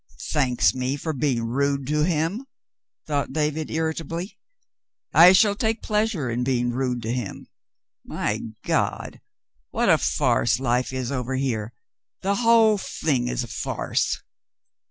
"Thanks me for being rude to him," thought David, irritably ; "I shall take pleasure in being rude to him. My God ! What a farce life is over here ! The whole thing is a farce."